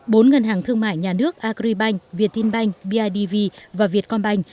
bốn ngân hàng thương mại nhà nước agribank vietinbank bidv và vietcombank